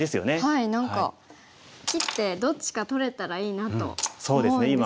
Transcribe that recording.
はい何か切ってどっちか取れたらいいなと思うんですが。